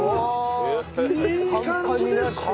いい感じですほら！